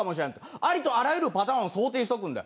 ありとあらゆるパターンを想定しておくんだよ。